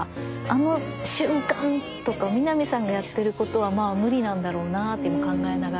あの瞬間とか南さんがやってることはまあ無理なんだろうなっていうの考えながら。